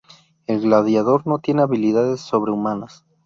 El Gladiador no tiene habilidades sobrehumanas.